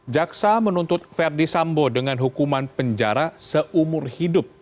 jaksa menuntut verdi sambo dengan hukuman penjara seumur hidup